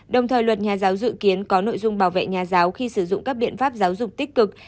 đồng thời luật nhà giáo dự kiến có nội dung bảo vệ nhà giáo khi sử dụng các biện pháp giáo dục tích cực